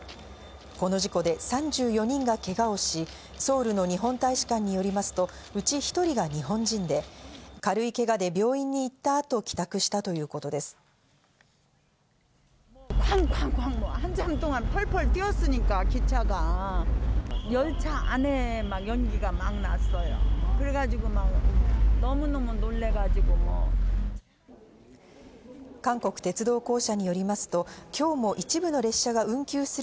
この事故で３４人がケガをし、ソウルの日本大使館によりますと、うち１人が日本人で軽いケガで病院に行った後、帰宅したということです。